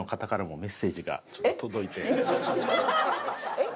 えっ？